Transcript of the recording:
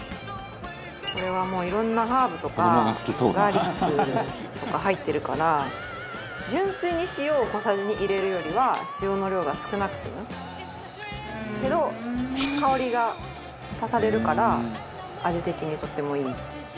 これはもういろんなハーブとかガーリックとか入ってるから純粋に塩を小さじで入れるよりは塩の量が少なく済むけど香りが足されるから味的にとってもいい。